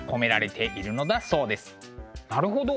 なるほど。